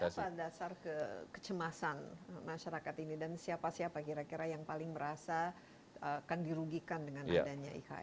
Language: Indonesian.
apa dasar kecemasan masyarakat ini dan siapa siapa kira kira yang paling merasa akan dirugikan dengan adanya ikh